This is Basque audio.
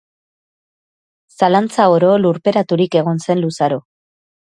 Zalantza oro lurperaturik egon zen luzaro.